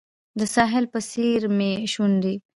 د ساحل په څیر مې شونډې